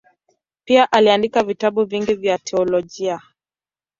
Pia aliandika vitabu vingi vya teolojia.